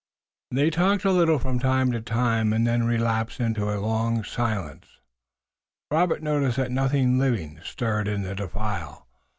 They talked a little from time to time and then relapsed into a long silence. Robert noticed that nothing living stirred in the defile.